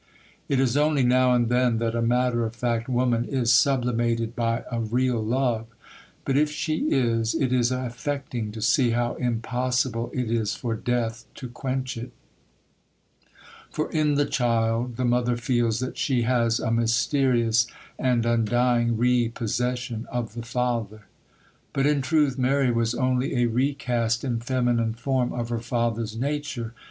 It is only now and then that a matter of fact woman is sublimated by a real love; but if she is, it is affecting to see how impossible it is for death to quench it; for in the child the mother feels that she has a mysterious and undying repossession of the father. But, in truth, Mary was only a recast in feminine form of her father's nature.